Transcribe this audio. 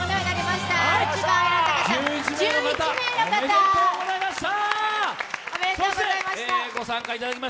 １１名の方、おめでとうございました。